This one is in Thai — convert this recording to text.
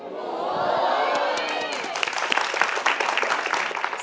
โอ้ย